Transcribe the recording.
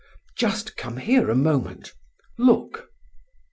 Just come here a moment; look!"